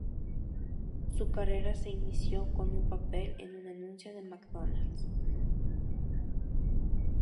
Su carrera se inició con un papel en un anuncio de McDonald's.